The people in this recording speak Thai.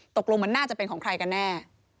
ตกลงมันน่าจะเป็นของใครกันแน่